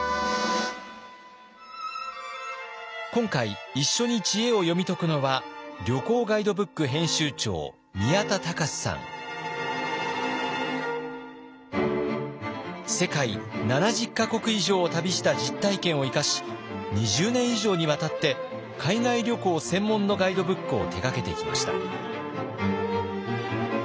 今回一緒に知恵を読み解くのは世界７０か国以上を旅した実体験を生かし２０年以上にわたって海外旅行専門のガイドブックを手がけてきました。